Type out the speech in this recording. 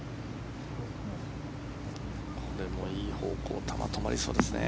これもいい方向球が止まりそうですね。